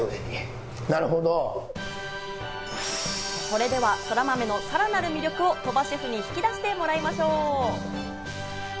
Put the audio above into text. それでは、そらまめのさらなる魅力を鳥羽シェフに引き出してもらいましょう。